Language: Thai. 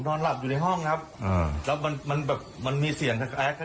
นอนหลับอยู่ในห้องครับอ่าแล้วมันมันแบบมันมีเสียงคล้ายกัน